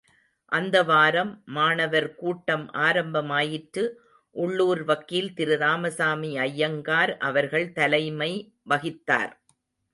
அந்த வாரம் மாணவர் கூட்டம் ஆரம்பமாயிற்று உள்ளுர் வக்கீல் திரு ராமசாமி அய்யங்கார், அவர்கள் தலைமை வகித்தார்.